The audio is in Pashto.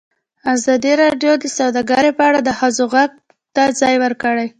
ازادي راډیو د سوداګري په اړه د ښځو غږ ته ځای ورکړی.